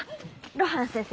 露伴先生